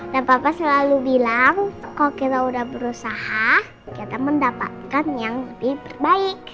dan papa selalu bilang kalau kita udah berusaha kita mendapatkan yang lebih baik